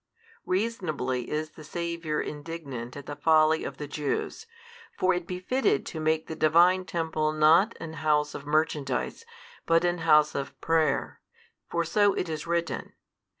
Reasonably is the Saviour indignant at the folly of the Jews. For it befitted to make the Divine Temple not an house of merchandise, but an house of prayer: for so it is written.